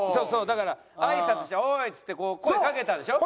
だからあいさつして「おい」っつってこう声かけたんでしょ？